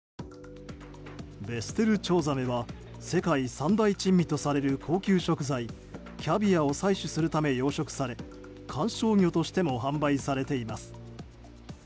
ベステルチョウザメは世界三大珍味とされる高級食材キャビアを採取するため養殖され、観賞魚としても販売されています。